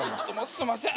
すんません。